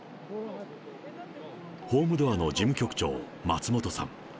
ホームドアの事務局長、松本さん。